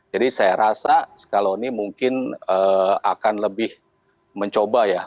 jadi saya rasa scaloni mungkin akan lebih mencoba ya